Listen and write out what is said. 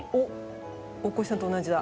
大越さんと同じだ。